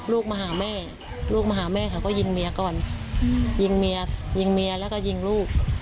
ลูกมาหาแม่ลูกมาหาแม่เขาก็ยิงเมียก่อนยิงเมียยิงเมียแล้วก็ยิงลูก